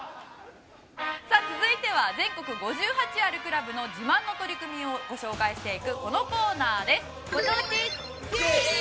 さあ続いては全国５８あるクラブの自慢の取り組みをご紹介していくこのコーナーです。